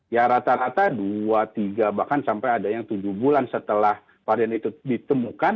ya rata rata dua tiga bahkan sampai ada yang tujuh bulan setelah varian itu ditemukan